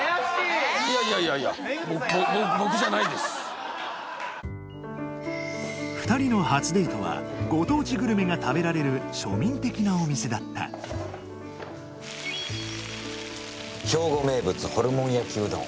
いやいやいやいや２人の初デートはご当地グルメが食べられる庶民的なお店だった兵庫名物ホルモン焼きうどん